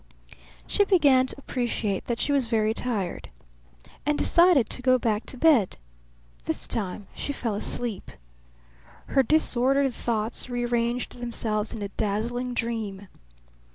She began to appreciate that she was very tired, and decided to go back to bed. This time she fell asleep. Her disordered thoughts rearranged themselves in a dazzling dream.